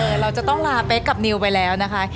เราจะต้องลาเป๊กกับนิวไปแล้วนะคะ